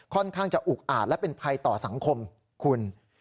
ค่อนข้างจะอุกอาจและเป็นภัยต่อสังคมคุณ